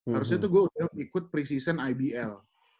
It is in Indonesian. harusnya tuh gue udah ikut pre season ibl